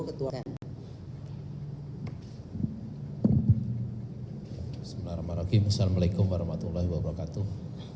bismillahirrahmanirrahim assalamu'alaikum warahmatullahi wabarakatuh